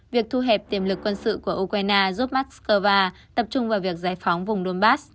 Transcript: việc thu hẹp tiềm lực quân sự của ukraine giúp moscow tập trung vào việc giải phóng vùng donbass